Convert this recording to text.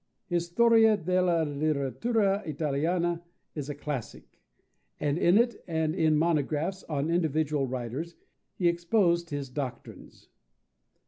His Storia della letteratura italiana is a classic, and in it and in monographs on individual writers he exposed his doctrines.